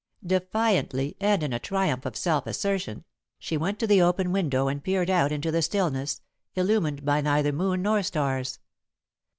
Defiantly and in a triumph of self assertion, she went to the open window and peered out into the stillness, illumined by neither moon nor stars.